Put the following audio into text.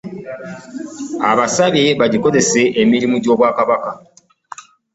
Abasabye bazikozese emirimu gy'Obwakabaka.